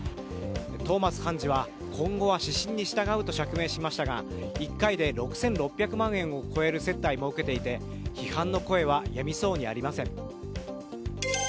トーマス判事は今後は指針に従うと釈明しましたが１回で６６００万円を超える接待も受けていて批判の声はやみそうにありません。